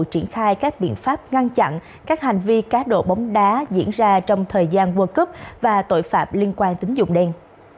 triển khai các biện pháp ngăn chặn các hành vi cá đổ bóng đá diễn ra trong thời gian quân cấp và tội phạm liên quan tính dụng đen